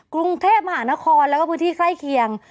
กรุงเทพมหานครแล้วก็พื้นที่ใกล้เคียง